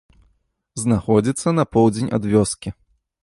Знаходзіцца на поўдзень ад вёскі.